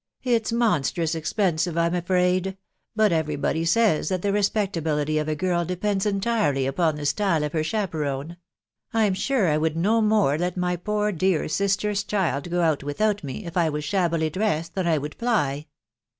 it's mon . strous ^expensive, I'm afeM ; but every body says that the respectablfity of a girl depends entirely upon the style of her chaperon. I'm sure I would no more let my poor .dear sister's child go ant with me, if I was shabbily dressed, than I would fly.